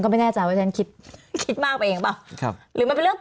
ก็ไม่แน่ใจว่าฉันคิดมากไปเองหรือเปล่า